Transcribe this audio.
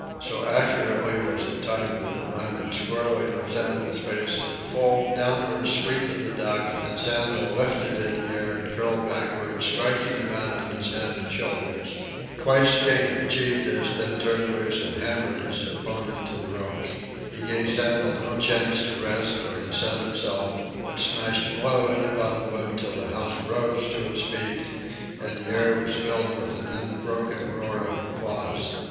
So accurately was it timed that it landed squarely on Sandel's face in the full, downward sweep of the duck, and Sandel lifted in the air and curled backward, striking the mat on his head and shoulders. Twice King achieved this, then turned loose and hammered his opponent to the ropes. He gave Sandel no chance to rest or to set himself, but smashed blow in upon blow till the house rose to its feet and the air was filled with an unbroken roar of applause.